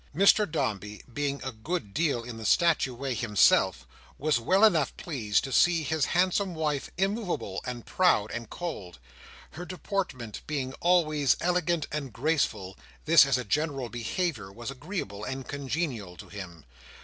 Mr Dombey, being a good deal in the statue way himself, was well enough pleased to see his handsome wife immovable and proud and cold. Her deportment being always elegant and graceful, this as a general behaviour was agreeable and congenial to him.